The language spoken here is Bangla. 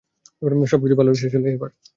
সবকিছু ভালোয় ভালোয় শেষ হলেই হয় এবার!